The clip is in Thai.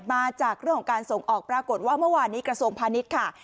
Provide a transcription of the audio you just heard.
มาจากเรื่องของการส่งออกปรากฏว่าเมื่อวานนี้กระทรวงพาณิชย์ค่ะ